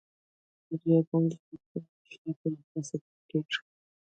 دریابونه د افغانستان د ښاري پراختیا سبب کېږي.